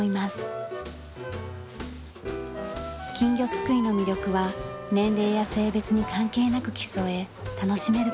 金魚すくいの魅力は年齢や性別に関係なく競え楽しめる事。